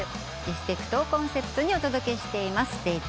リスペクトをコンセプトにお届けしています